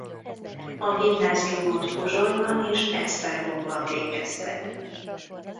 A gimnáziumot Pozsonyban és Esztergomban végezte.